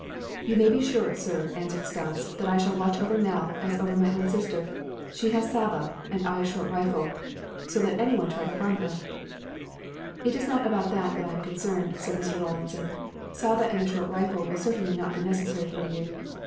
"You may be sure, sir," answered Stas, "that I shall watch over Nell, as over my own sister. She has Saba, and I a short rifle, so let any one try to harm her " "It is not about that that I am concerned," said Mr. Rawlinson. "Saba and the short rifle will certainly not be necessary for you.